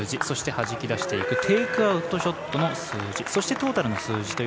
そして、はじき出していくテイクアウトショットの数字。